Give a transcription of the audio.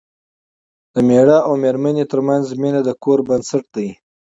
د مېړه او مېرمنې ترمنځ مینه د کور بنسټ دی.